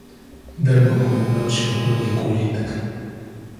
Dema ku em laşê xwe lêkolîn dikin.